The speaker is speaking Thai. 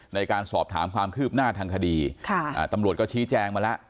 ในการสอบถามความคืบหน้าทางคดีค่ะอ่าตำรวจก็ชี้แจงมาแล้ว